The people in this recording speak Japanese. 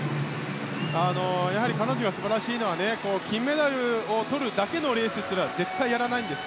彼女が素晴らしいのは金メダルをとるだけのレースは絶対にやらないんです。